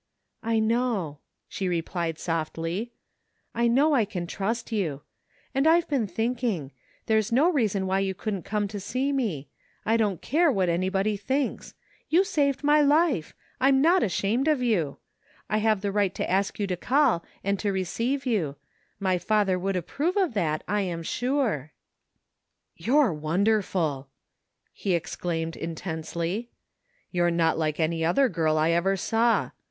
"" I know," she replied softly. " I know I can trust you. And I've been thinking. There's no reason why you couldn't come to see me. I don't care what any body thinks. You saved my life ! I'm not ashamed of yoa I have the right to ask you to call and to receive 94 THE FINDING OF JASPER HOLT you. My father would approve of that, I am sure." " You're wonderful !" he exclaimed intensely. " You're not like any other girl I ever saw.